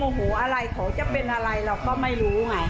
เค้าจำโมโหอะไรทำไมจะเป็นอะไรเราก็ไม่รู้ไง